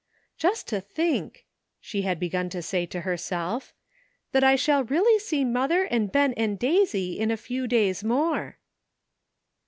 ''Just to think," she had begun to say to herself, '' that I shall really see mother and Ben and Daisy in a few days more."